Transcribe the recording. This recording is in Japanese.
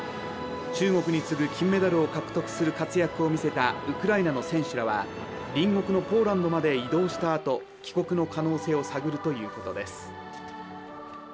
中国に次ぐ金メダルを獲得する活躍を見せたウクライナの選手らは隣国のポーランドまで移動したあと帰国の可能性を探るということです。